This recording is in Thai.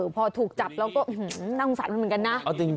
พอถูกจับแล้วก็อืมมมน่าต้องสังฆ่ามันเหมือนกันนะ